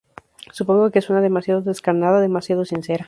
Supongo que suena demasiado descarnada, demasiado sincera.